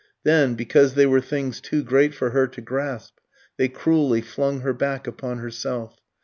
Then, because they were things too great for her to grasp, they cruelly flung her back upon herself.